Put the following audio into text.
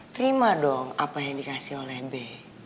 terima dong apa yang dikasih oleh b